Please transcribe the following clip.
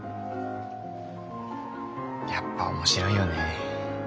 やっぱ面白いよね。